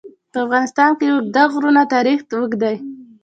په افغانستان کې د اوږده غرونه تاریخ اوږد دی.